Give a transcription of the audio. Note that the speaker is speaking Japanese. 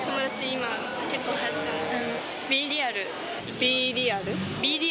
今結構はやってます